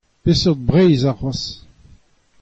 Peseurt Breizh arcʼhoazh ?